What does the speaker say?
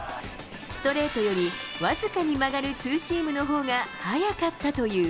ストレートより僅かに曲がるツーシームのほうが速かったという。